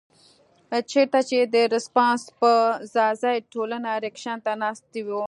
چرته چې د رسپانس پۀ ځائے ټولنه رېکشن ته ناسته وي